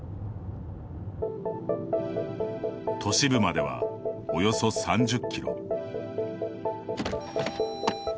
都市部まではおよそ３０キロ。